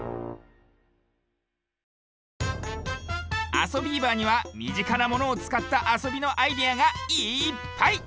「あそビーバー」にはみぢかなものをつかったあそびのアイデアがいっぱい！